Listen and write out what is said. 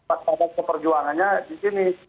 atau peperjuangannya di sini